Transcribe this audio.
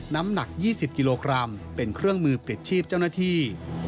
น้ำหนัก๒๐กิโลกรัมเป็นเครื่องมือปิดชีพเจ้าหน้าที่